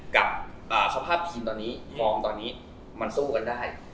กับสภาพทีมตอนนี้ฟอร์มตอนนี้มันสู้กันได้